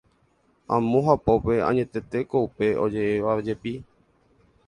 Amo hapópe añetetéko upe oje'évajepi